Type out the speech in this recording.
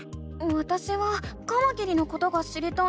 わたしはカマキリのことが知りたいの。